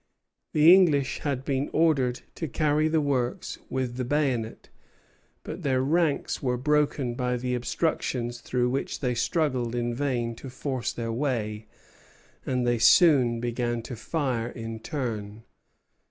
The English had been ordered to carry the works with the bayonet; but their ranks were broken by the obstructions through which they struggled in vain to force their way, and they soon began to fire in turn.